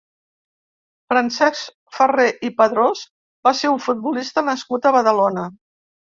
Francesc Ferrer i Padrós va ser un futbolista nascut a Badalona.